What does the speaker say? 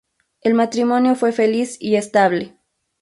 El matrimonio fue feliz y estable.